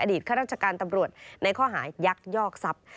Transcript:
อดีตข้ารักษการตำรวจในข้อหายักษ์ยอกทรัพย์